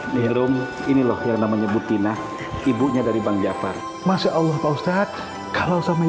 nih rom ini loh yang namanya butina ibunya dari bang jafar masya allah pak ustadz kalau sama yang